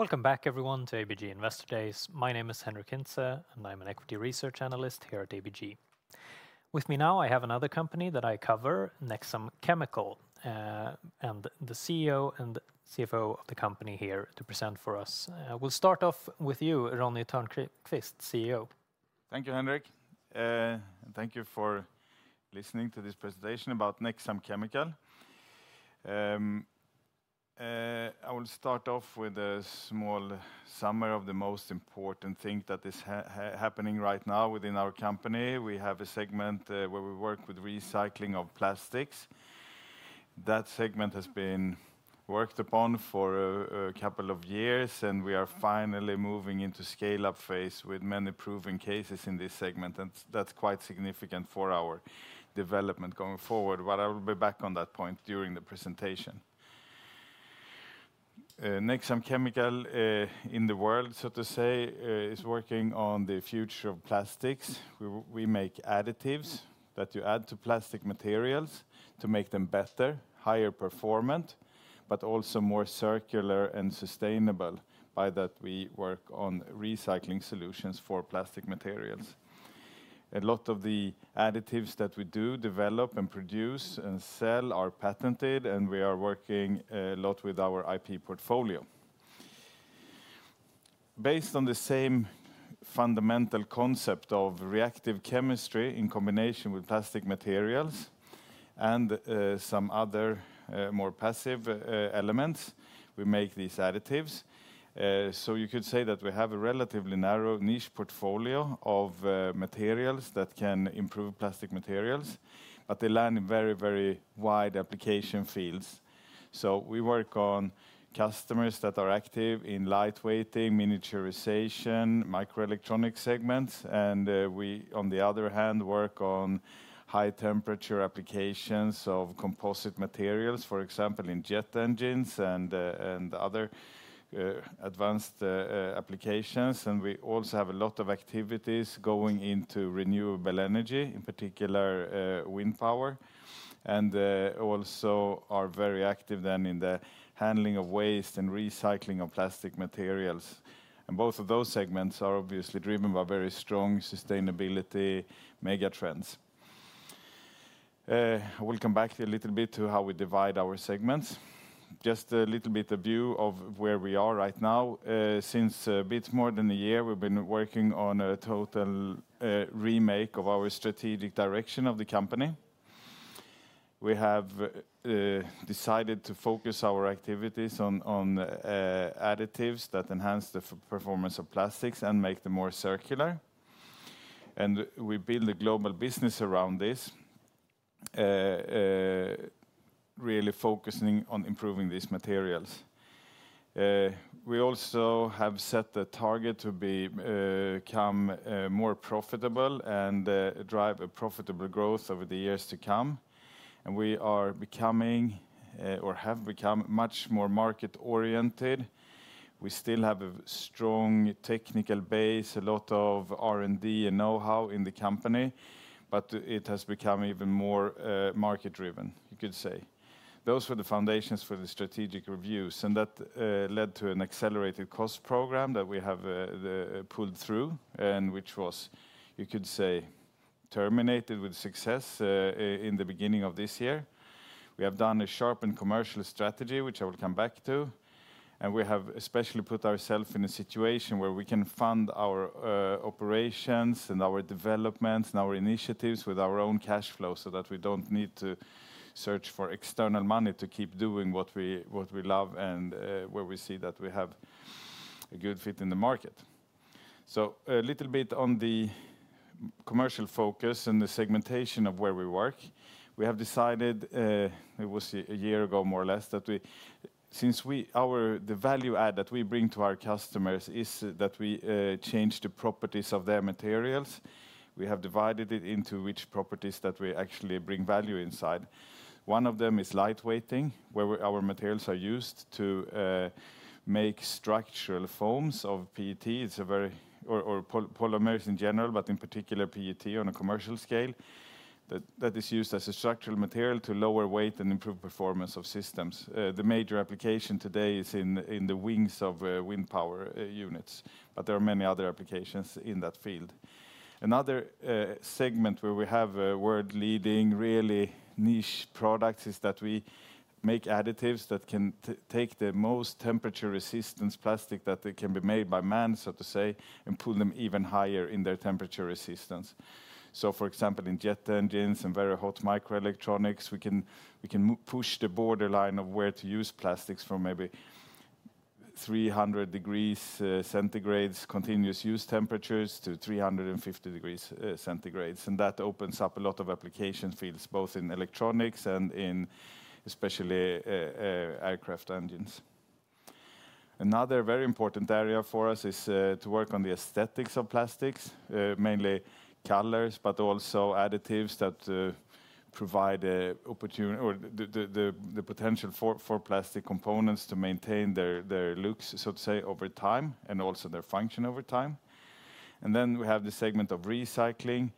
Welcome back, everyone, to ABG Investor Days. My name is Henrik Hintze, and I'm an equity research analyst here at ABG. With me now, I have another company that I cover, Nexam Chemical, and the CEO and CFO of the company here to present for us. We'll start off with you, Ronnie Törnqvist, CEO. Thank you, Henrik, and thank you for listening to this presentation about Nexam Chemical. I will start off with a small summary of the most important thing that is happening right now within our company. We have a segment where we work with recycling of plastics. That segment has been worked upon for a couple of years, and we are finally moving into the scale-up phase with many proven cases in this segment, and that's quite significant for our development going forward, but I will be back on that point during the presentation. Nexam Chemical, in the world, so to say, is working on the future of plastics. We make additives that you add to plastic materials to make them better, higher performant, but also more circular and sustainable. By that we work on recycling solutions for plastic materials. A lot of the additives that we do develop and produce and sell are patented, and we are working a lot with our IP portfolio. Based on the same fundamental concept of reactive chemistry in combination with plastic materials and some other more passive elements, we make these additives, so you could say that we have a relatively narrow niche portfolio of materials that can improve plastic materials, but they land in very, very wide application fields. We work on customers that are active in lightweighting, miniaturization, microelectronics segments, and we, on the other hand, work on high-temperature applications of composite materials, for example, in jet engines and other advanced applications, and we also have a lot of activities going into renewable energy, in particular wind power, and also are very active then in the handling of waste and recycling of plastic materials. And both of those segments are obviously driven by very strong sustainability megatrends. We'll come back to you a little bit to how we divide our segments. Just a little bit of view of where we are right now. Since a bit more than a year, we've been working on a total remake of our strategic direction of the company. We have decided to focus our activities on additives that enhance the performance of plastics and make them more circular. And we build a global business around this, really focusing on improving these materials. We also have set a target to become more profitable and drive a profitable growth over the years to come. And we are becoming, or have become, much more market-oriented. We still have a strong technical base, a lot of R&D and know-how in the company, but it has become even more market-driven, you could say. Those were the foundations for the strategic reviews. And that led to an accelerated cost program that we have pulled through, which was, you could say, terminated with success in the beginning of this year. We have done a sharpened commercial strategy, which I will come back to. And we have especially put ourselves in a situation where we can fund our operations and our developments and our initiatives with our own cash flow so that we don't need to search for external money to keep doing what we love and where we see that we have a good fit in the market. So a little bit on the commercial focus and the segmentation of where we work. We have decided, it was a year ago more or less, that since the value add that we bring to our customers is that we change the properties of their materials, we have divided it into which properties that we actually bring value inside. One of them is lightweighting, where our materials are used to make structural foams of PET, or polymers in general, but in particular PET on a commercial scale, that is used as a structural material to lower weight and improve performance of systems. The major application today is in the wings of wind power units, but there are many other applications in that field. Another segment where we have world-leading, really niche products is that we make additives that can take the most temperature-resistant plastic that can be made by man, so to say, and pull them even higher in their temperature resistance. For example, in jet engines and very hot microelectronics, we can push the borderline of where to use plastics from maybe 300 degrees Celsius, continuous use temperatures, to 350 degrees Celsius. And that opens up a lot of application fields, both in electronics and in especially aircraft engines. Another very important area for us is to work on the aesthetics of plastics, mainly colors, but also additives that provide the potential for plastic components to maintain their looks, so to say, over time and also their function over time. And then we have the segment of recycling,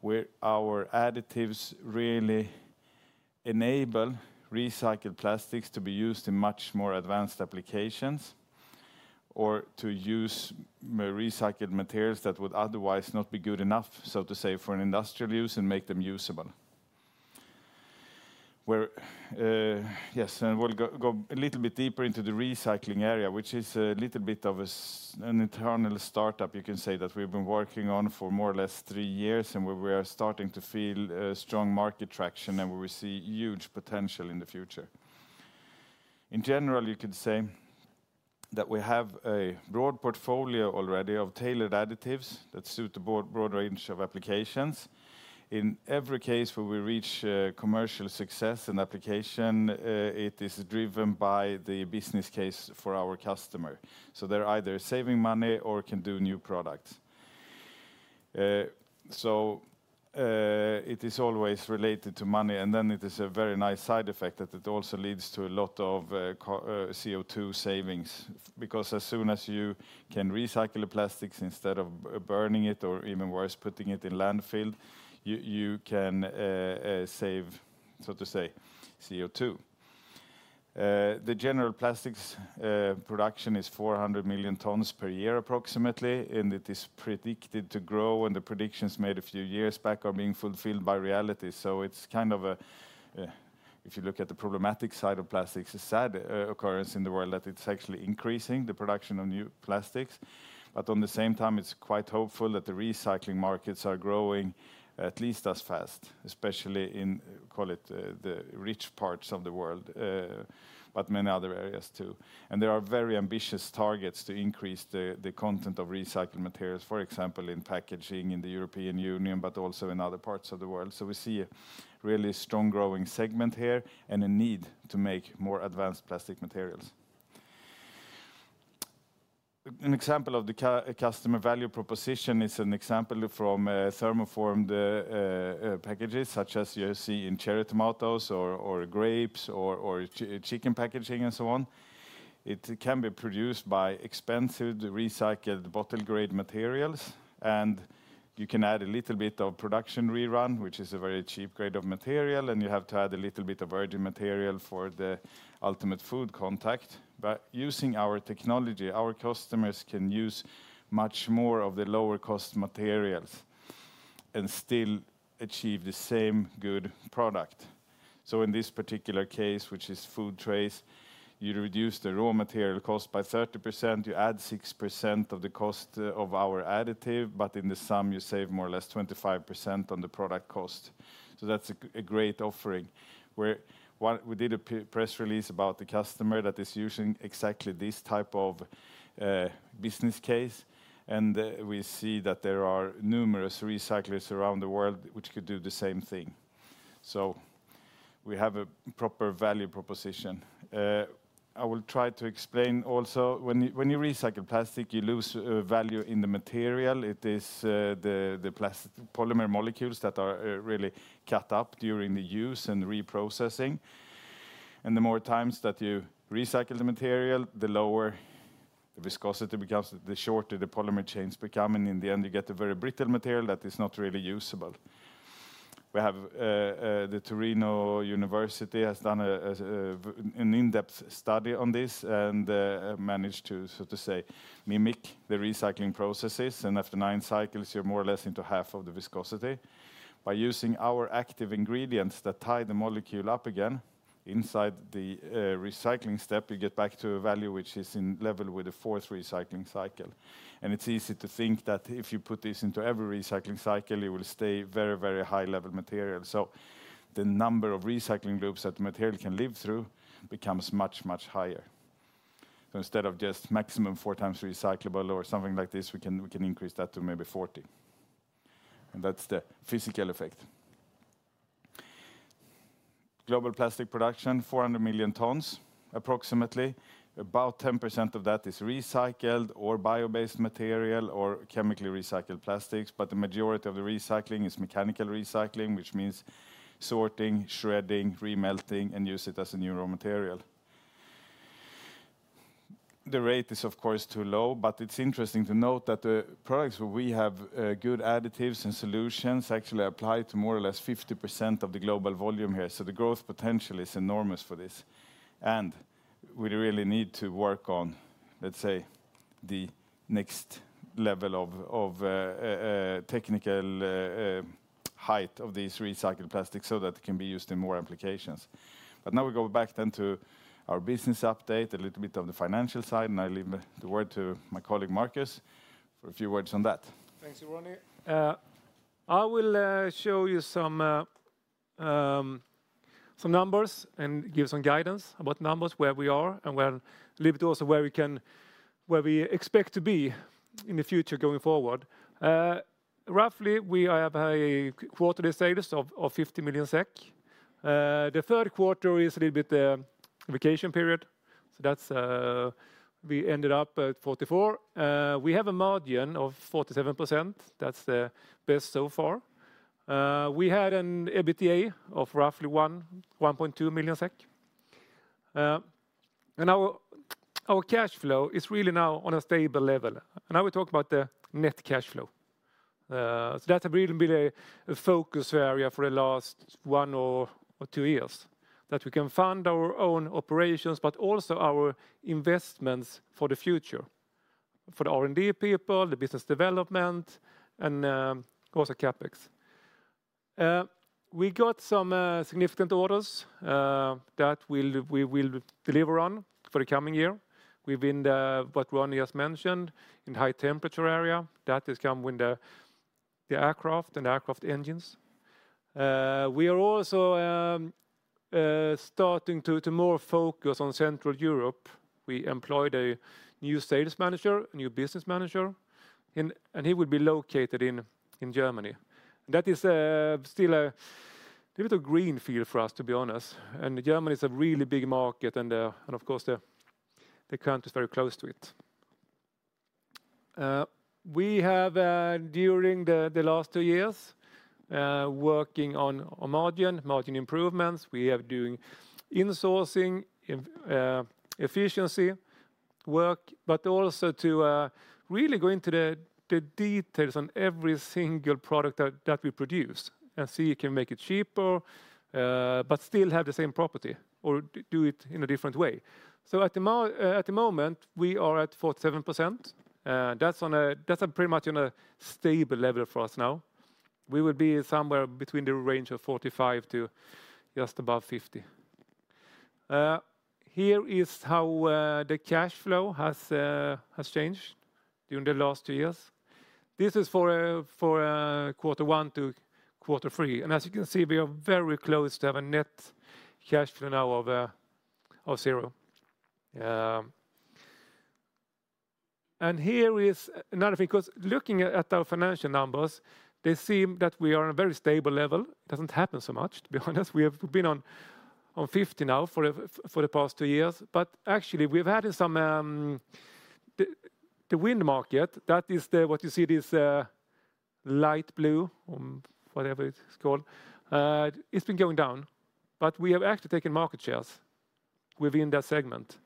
where our additives really enable recycled plastics to be used in much more advanced applications or to use recycled materials that would otherwise not be good enough, so to say, for industrial use and make them usable. Yes, and we'll go a little bit deeper into the recycling area, which is a little bit of an internal startup, you can say, that we've been working on for more or less three years, and where we are starting to feel strong market traction and where we see huge potential in the future. In general, you could say that we have a broad portfolio already of tailored additives that suit a broad range of applications. In every case where we reach commercial success and application, it is driven by the business case for our customer. So they're either saving money or can do new products. So it is always related to money. And then it is a very nice side effect that it also leads to a lot of CO2 savings, because as soon as you can recycle the plastics instead of burning it, or even worse, putting it in landfill, you can save, so to say, CO2. The general plastics production is 400 million tons per year, approximately, and it is predicted to grow, and the predictions made a few years back are being fulfilled by reality. So it's kind of a, if you look at the problematic side of plastics, a sad occurrence in the world that it's actually increasing the production of new plastics. But on the same time, it's quite hopeful that the recycling markets are growing at least as fast, especially in, call it, the rich parts of the world, but many other areas too. There are very ambitious targets to increase the content of recycled materials, for example, in packaging in the European Union, but also in other parts of the world. We see a really strong growing segment here and a need to make more advanced plastic materials. An example of the customer value proposition is an example from thermoformed packages, such as you see in cherry tomatoes or grapes or chicken packaging and so on. It can be produced by expensive recycled bottle-grade materials, and you can add a little bit of production rerun, which is a very cheap grade of material, and you have to add a little bit of virgin material for the ultimate food contact. Using our technology, our customers can use much more of the lower-cost materials and still achieve the same good product. So in this particular case, which is food trays, you reduce the raw material cost by 30%, you add 6% of the cost of our additive, but in the sum, you save more or less 25% on the product cost. So that's a great offering. We did a press release about the customer that is using exactly this type of business case, and we see that there are numerous recyclers around the world which could do the same thing. So we have a proper value proposition. I will try to explain also. When you recycle plastic, you lose value in the material. It is the polymer molecules that are really cut up during the use and reprocessing. The more times that you recycle the material, the lower the viscosity becomes, the shorter the polymer chains become, and in the end, you get a very brittle material that is not really usable. The University of Turin has done an in-depth study on this and managed to, so to say, mimic the recycling processes. And after nine cycles, you're more or less into half of the viscosity. By using our active ingredients that tie the molecule up again, inside the recycling step, you get back to a value which is in level with the fourth recycling cycle. And it's easy to think that if you put this into every recycling cycle, it will stay very, very high-level material. So the number of recycling loops that the material can live through becomes much, much higher. So instead of just maximum four times recyclable or something like this, we can increase that to maybe 40. And that's the physical effect. Global plastic production, 400 million tons, approximately. About 10% of that is recycled or bio-based material or chemically recycled plastics, but the majority of the recycling is mechanical recycling, which means sorting, shredding, remelting, and use it as a new raw material. The rate is, of course, too low, but it's interesting to note that the products where we have good additives and solutions actually apply to more or less 50% of the global volume here. So the growth potential is enormous for this. And we really need to work on, let's say, the next level of technical height of these recycled plastics so that it can be used in more applications. But now we go back then to our business update, a little bit of the financial side, and I leave the word to my colleague Marcus for a few words on that. Thanks, Ronnie. I will show you some numbers and give some guidance about numbers, where we are, and we'll leave it also where we expect to be in the future going forward. Roughly, we have a quarterly status of 50 million SEK. The third quarter is a little bit the vacation period. So that's we ended up at 44. We have a margin of 47%. That's the best so far. We had an EBITDA of roughly 1.2 million SEK. And our cash flow is really now on a stable level. And now we talk about the net cash flow. So that's really been a focus area for the last one or two years, that we can fund our own operations, but also our investments for the future, for the R&D people, the business development, and also CapEx. We got some significant orders that we will deliver on for the coming year. We've been what Ronnie just mentioned, in the high-temperature area. That is come with the aircraft and aircraft engines. We are also starting to more focus on Central Europe. We employed a new sales manager, a new business manager, and he will be located in Germany. That is still a little bit of a greenfield for us, to be honest. And Germany is a really big market, and of course, the country is very close to it. We have, during the last two years, working on margin, margin improvements. We have been doing insourcing, efficiency work, but also to really go into the details on every single product that we produce and see if we can make it cheaper, but still have the same property or do it in a different way, so at the moment, we are at 47%. That's pretty much on a stable level for us now. We will be somewhere between the range of 45% to just above 50%. Here is how the cash flow has changed during the last two years. This is for quarter one to quarter three, and as you can see, we are very close to have a net cash flow now of zero, and here is another thing, because looking at our financial numbers, they seem that we are on a very stable level. It doesn't happen so much, to be honest. We have been on 50 now for the past two years. But actually, we've had some the wind market, that is what you see this light blue, whatever it's called; it's been going down. We have actually taken market shares within that segment.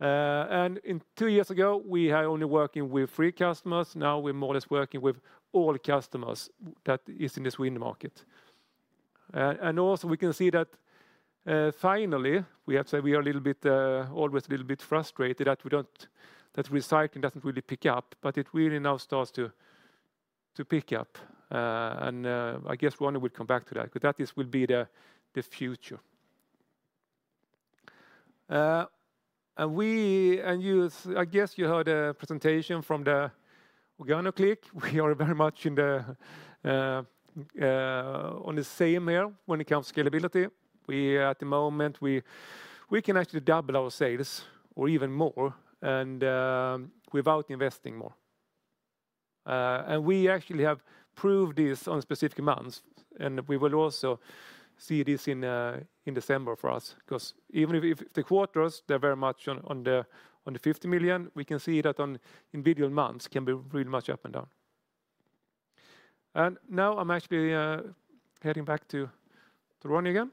Two years ago, we were only working with three customers. Now we're more or less working with all customers that are in this wind market. We can also see that finally, we have to say we are a little bit always a little bit frustrated that recycling doesn't really pick up, but it really now starts to pick up. I guess Ronnie will come back to that, because that will be the future. I guess you heard a presentation from the OrganoClick. We are very much on the same here when it comes to scalability. At the moment, we can actually double our sales or even more without investing more. We actually have proved this on specific months. We will also see this in December for us, because even if the quarters, they're very much on the 50 million SEK, we can see that in individual months can be really much up and down. Now I'm actually heading back to Ronnie again.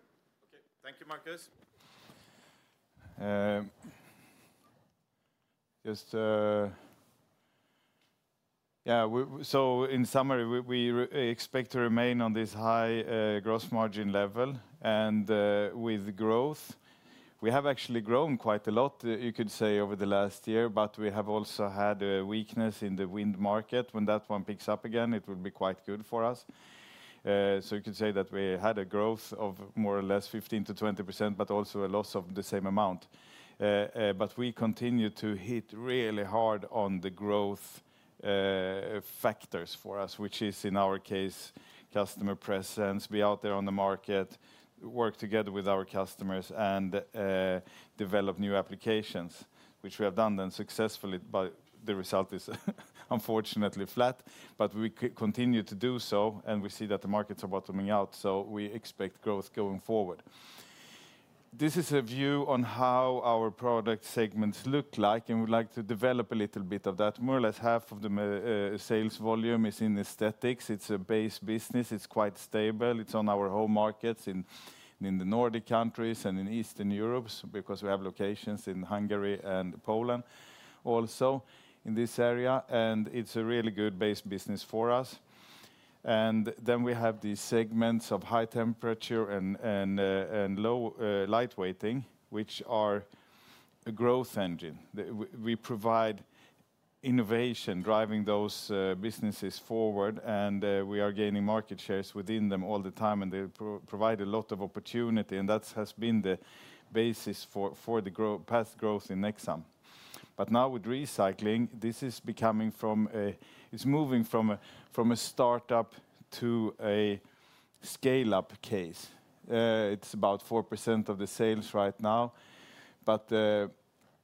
Okay, thank you, Marcus. Just, yeah, so in summary, we expect to remain on this high gross margin level. With growth, we have actually grown quite a lot, you could say, over the last year, but we have also had a weakness in the wind market. When that one picks up again, it will be quite good for us. So you could say that we had a growth of more or less 15%-20%, but also a loss of the same amount. But we continue to hit really hard on the growth factors for us, which is in our case, customer presence, be out there on the market, work together with our customers, and develop new applications, which we have done then successfully, but the result is unfortunately flat. But we continue to do so, and we see that the markets are bottoming out, so we expect growth going forward. This is a view on how our product segments look like, and we'd like to develop a little bit of that. More or less half of the sales volume is in aesthetics. It's a base business. It's quite stable. It's on our home markets in the Nordic countries and in Eastern Europe, because we have locations in Hungary and Poland also in this area, and it's a really good base business for us. Then we have these segments of high temperature and lightweighting, which are a growth engine. We provide innovation, driving those businesses forward, and we are gaining market shares within them all the time, and they provide a lot of opportunity, and that has been the basis for the past growth in Nexam. But now with recycling, this is moving from a startup to a scale-up case. It's about 4% of the sales right now, but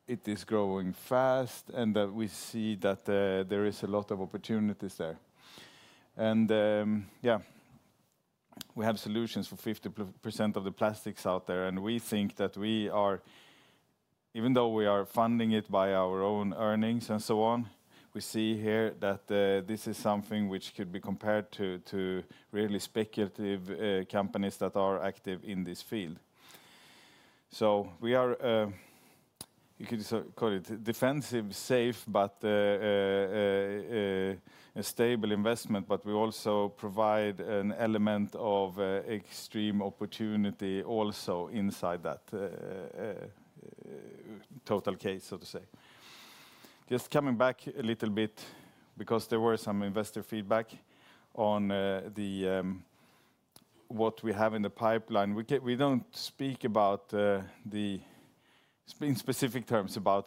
it is growing fast, and we see that there is a lot of opportunities there. Yeah, we have solutions for 50% of the plastics out there, and we think that we are, even though we are funding it by our own earnings and so on, we see here that this is something which could be compared to really speculative companies that are active in this field. So we are, you could call it defensive, safe, but a stable investment, but we also provide an element of extreme opportunity also inside that total case, so to say. Just coming back a little bit, because there were some investor feedback on what we have in the pipeline. We don't speak about the specific terms about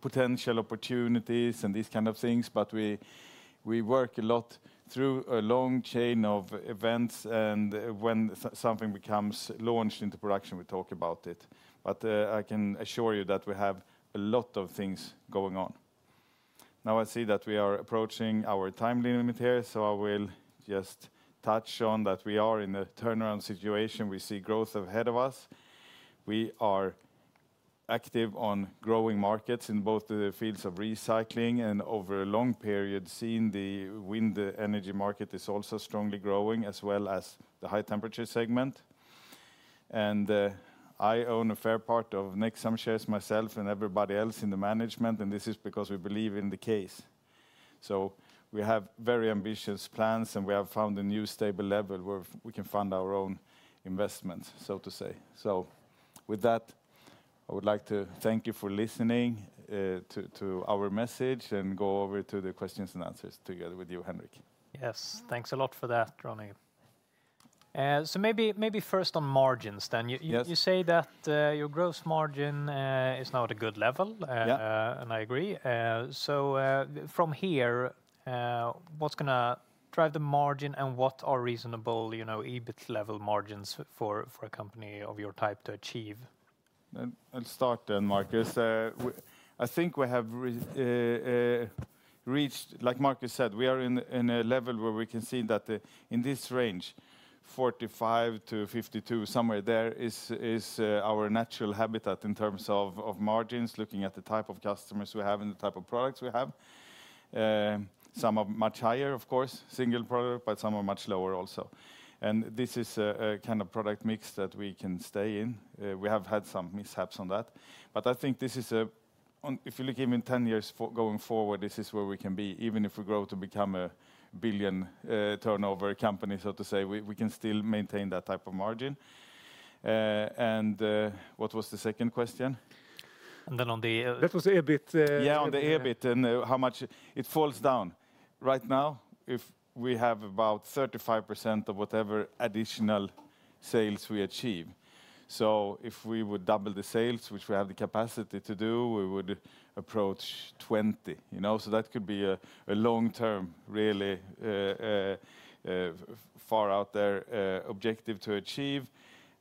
potential opportunities and these kind of things, but we work a lot through a long chain of events, and when something becomes launched into production, we talk about it. But I can assure you that we have a lot of things going on. Now I see that we are approaching our time limit here, so I will just touch on that we are in a turnaround situation. We see growth ahead of us. We are active on growing markets in both the fields of recycling and over a long period, seeing the wind energy market is also strongly growing, as well as the high temperature segment. And I own a fair part of Nexam shares myself and everybody else in the management, and this is because we believe in the case. So we have very ambitious plans, and we have found a new stable level where we can fund our own investments, so to say. So with that, I would like to thank you for listening to our message and go over to the questions and answers together with you, Henrik. Yes, thanks a lot for that, Ronnie. So maybe first on margins then. You say that your gross margin is now at a good level, and I agree. So from here, what's going to drive the margin and what are reasonable EBIT level margins for a company of your type to achieve? I'll start then, Marcus. I think we have reached, like Marcus said, we are in a level where we can see that in this range, 45%-52%, somewhere there is our natural habitat in terms of margins, looking at the type of customers we have and the type of products we have. Some are much higher, of course, single product, but some are much lower also. And this is a kind of product mix that we can stay in. We have had some mishaps on that. But I think this is a, if you look even 10 years going forward, this is where we can be. Even if we grow to become a billion turnover company, so to say, we can still maintain that type of margin. And what was the second question? That was EBIT. Yeah, on the EBIT and how much it falls down. Right now, we have about 35% of whatever additional sales we achieve. So if we would double the sales, which we have the capacity to do, we would approach 20%. So that could be a long-term, really far out there objective to achieve.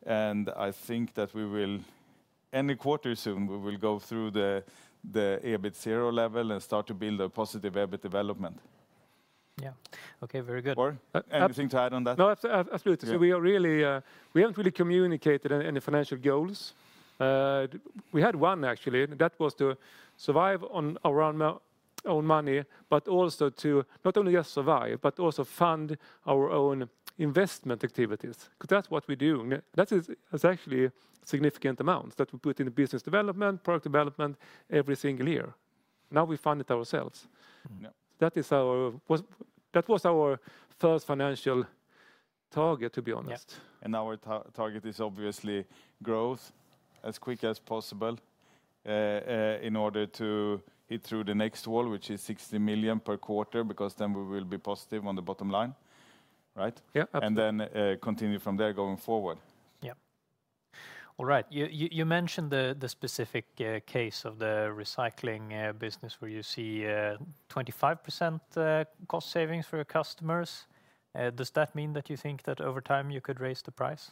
I think that we will, any quarter soon, we will go through the EBIT zero level and start to build a positive EBIT development. Yeah, okay, very good. Anything to add on that? No, absolutely. We haven't really communicated any financial goals. We had one, actually. That was to survive on our own money, but also to not only just survive, but also fund our own investment activities. Because that's what we're doing. That's actually a significant amount that we put in business development, product development, every single year. Now we fund it ourselves. That was our first financial target, to be honest. Our target is obviously growth as quick as possible in order to hit through the next wall, which is 60 million SEK per quarter, because then we will be positive on the bottom line. Right? Yeah, absolutely. Then continue from there going forward. Yeah. All right. You mentioned the specific case of the recycling business where you see 25% cost savings for your customers. Does that mean that you think that over time you could raise the price?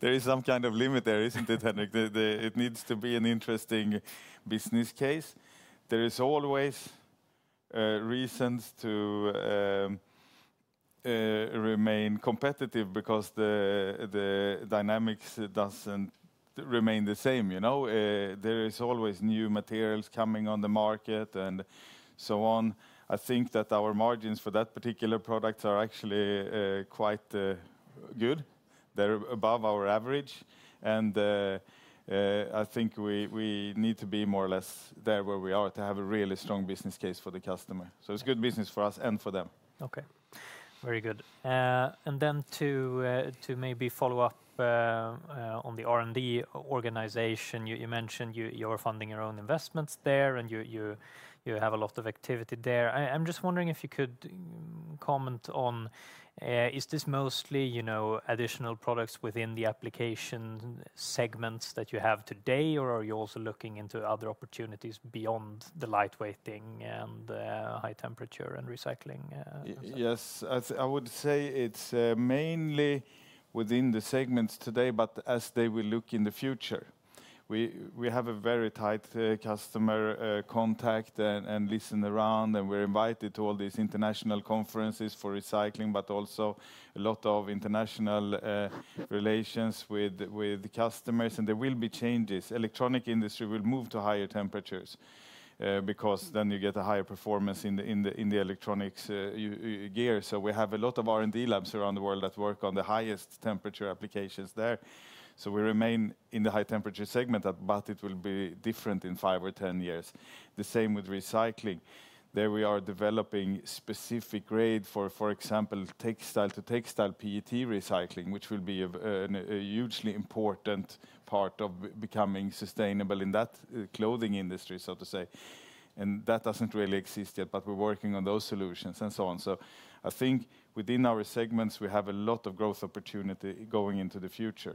There is some kind of limit there, isn't it, Henrik? It needs to be an interesting business case. There is always reasons to remain competitive because the dynamics doesn't remain the same. There is always new materials coming on the market and so on. I think that our margins for that particular product are actually quite good. They're above our average. And I think we need to be more or less there where we are to have a really strong business case for the customer. So it's good business for us and for them. Okay, very good. And then to maybe follow up on the R&D organization, you mentioned you are funding your own investments there and you have a lot of activity there. I'm just wondering if you could comment on, is this mostly additional products within the application segments that you have today, or are you also looking into other opportunities beyond the lightweighting and high-temperature and recycling? Yes, I would say it's mainly within the segments today, but as they will look in the future. We have a very tight customer contact and listen around, and we're invited to all these international conferences for recycling, but also a lot of international relations with customers, and there will be changes. Electronics industry will move to higher temperatures because then you get a higher performance in the electronics gear. So we have a lot of R&D labs around the world that work on the highest temperature applications there. So we remain in the high temperature segment, but it will be different in five or 10 years. The same with recycling. There we are developing specific grade for, for example, textile to textile PET recycling, which will be a hugely important part of becoming sustainable in that clothing industry, so to say. And that doesn't really exist yet, but we're working on those solutions and so on. So I think within our segments, we have a lot of growth opportunity going into the future.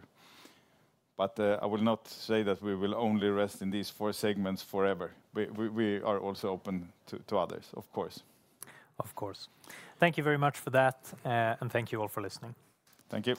But I will not say that we will only rest in these four segments forever. We are also open to others, of course. Of course. Thank you very much for that, and thank you all for listening. Thank you.